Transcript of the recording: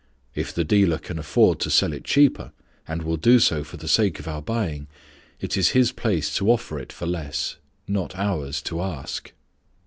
If the dealer can afford to sell it cheaper, and will do so for the sake of our buying, it is his place to offer it for less, not ours to ask.